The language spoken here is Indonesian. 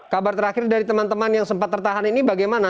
kabar terakhir dari teman teman yang sempat tertahan ini bagaimana